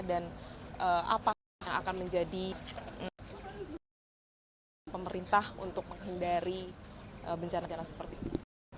dan apa yang akan menjadi pemerintah untuk menghindari bencana bencana seperti ini